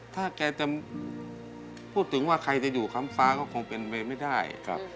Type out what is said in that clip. ถ้าแกจะพูดถึงว่าใครจะอยู่ค้ำฟ้าก็คงเป็นไปไม่ได้